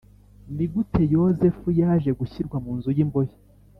Ni gute Yozefu yaje gushyirwa mu nzu y imbohe